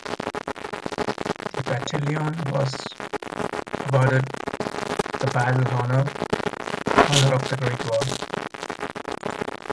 The Battalion was awarded the Battle Honour "Honour of the Great War".